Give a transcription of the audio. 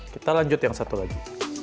kita lanjut yang satu lagi